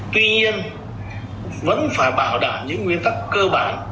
tuy nhiên vẫn phải bảo đảm những nguyên tắc cơ bản